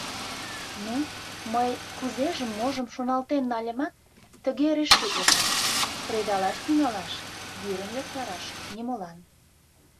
Ну, мый, кузежым-можым шоналтен нальымат, тыге решитлышым: кредалаш тӱҥалаш, вӱрым йоктараш нимолан.